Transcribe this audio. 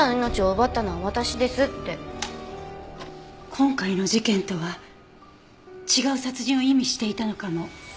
今回の事件とは違う殺人を意味していたのかも。